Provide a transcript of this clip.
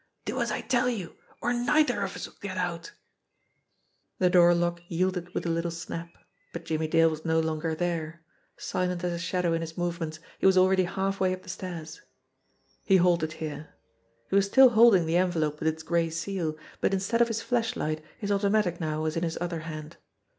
"Do as I tell you, or neither of us'll get out !" The door lock yielded with a little snap but Jimmie Dale was no longer there. Silent as a shadow in his movements, he was already halfway up the stairs. He halted here. He was still holding the envelope with its gray seal, but instead of his flashlight his automatic now was in his other hand.